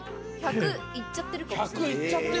１００いっちゃってるかも。